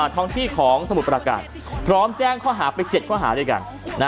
ท้องที่ของสมุทรประการพร้อมแจ้งข้อหาไป๗ข้อหาด้วยกัน